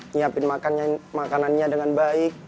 nyiapin makanannya dengan baik